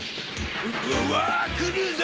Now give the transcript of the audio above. うわ来るぞ！